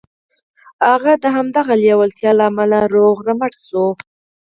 هغه د همدې لېوالتیا له امله روغ رمټ شو